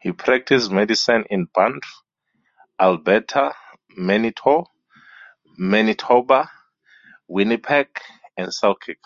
He practised medicine in Banff, Alberta, Manitou, Manitoba, Winnipeg and Selkirk.